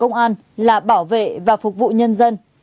công an là bảo vệ và phục vụ nhân dân